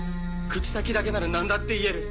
口先だけなら何だって言える。